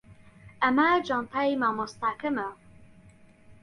ئەمە جانتای مامۆستاکەمە.